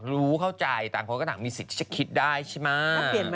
รู้เข้าใจต่างคนก็ต่างมีสิทธิ์จะคิดได้ใช่ไหม